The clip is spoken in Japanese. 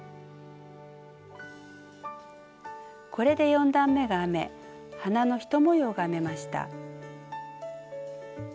これで４段めが編め花の１模様が編めました。